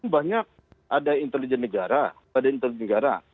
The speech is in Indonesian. banyak ada intelijen negara